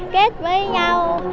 kết với nhau